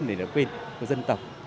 để được quên của dân tộc